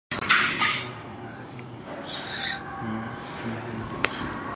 Leith offered ferry services to many European ports, including Hamburg and Oslo.